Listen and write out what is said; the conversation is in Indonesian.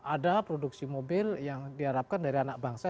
ada produksi mobil yang diharapkan dari anak bangsa